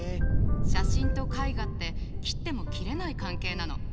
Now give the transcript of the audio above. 写真と絵画って切っても切れない関係なの。